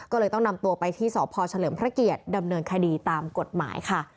ก็เลยต้องนำตัวไปที่สพเฉลิมพระเกียรติดำเนินคดีตามกฎหมายค่ะ